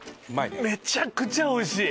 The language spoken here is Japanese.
めちゃくちゃ美味しい！